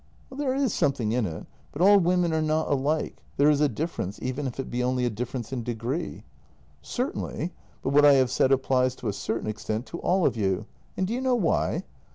"There is something in it, but all women are not alike; there is a difference even if it be only a difference in de gree." " Certainly, but what I have said applies to a certain extent to all of you, and do you know why?